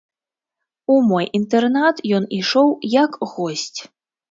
У мой інтэрнат ён ішоў як госць.